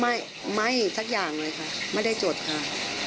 ไม่ไม่สักอย่างเลยค่ะไม่ได้จดค่ะ